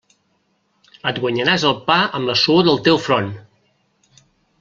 Et guanyaràs el pa amb la suor del teu front!